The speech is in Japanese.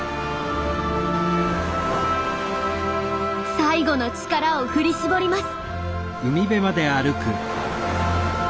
最後の力を振り絞ります。